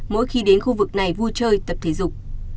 mỗi khi đến khu vực này vui chơi tập thể dục